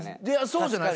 そうじゃない？